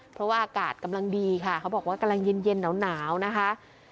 เพราะว่าอากาศกำลังดีค่ะเขาบอกว่ากำลังเย็นหนาวนะคะ